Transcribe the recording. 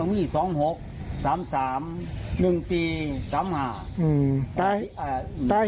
นี่ค่ะคุณผู้ชมฟังกันทันไหม